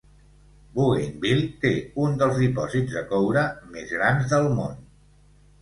Bougainville té un dels dipòsits de coure més grans del món.